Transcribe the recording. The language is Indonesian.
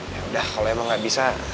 yaudah kalo emang gak bisa